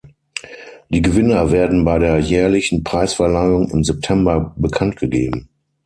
Die Gewinner werden bei der jährlichen Preisverleihung im September bekannt gegeben.